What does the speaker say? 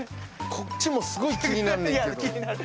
こっちもすごい気になんねやけど。